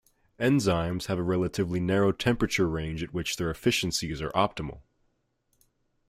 Enzymes have a relatively narrow temperature range at which their efficiencies are optimal.